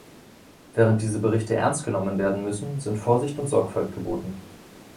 Während diese Berichte ernst genommen werden müssen, sind Vorsicht und Sorgfalt geboten.